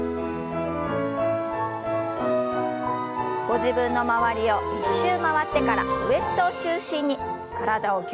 ご自分の周りを１周回ってからウエストを中心に体をぎゅっとねじります。